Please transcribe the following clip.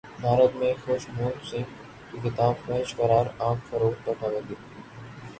بھارت میں خشونت سنگھ کی کتاب فحش قرار عام فروخت پر پابندی